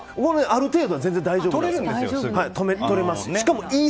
ある程度は全然大丈夫です。